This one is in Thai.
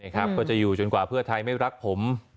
ก็จะอยู่จนกว่าเพื่อไทยไม่รักผม